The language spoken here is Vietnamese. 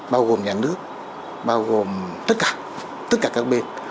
bao gồm nhà nước bao gồm tất cả tất cả các bên